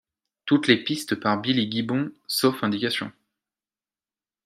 Toutes les pistes par Billy Gibbons, sauf indications.